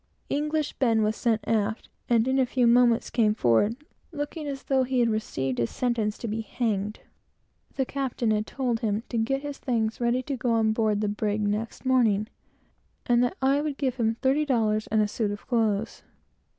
English Ben was sent aft, and in a few moments came forward, looking as though he had received his sentence to be hung. The captain had told him to get his things ready to go on board the brig the next morning; and that I would give him thirty dollars and a suit of clothes.